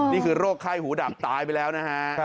นี่คือโรคไข้หูดับตายไปแล้วนะฮะ